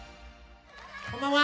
こんばんは。